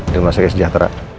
rumah sakit sejahtera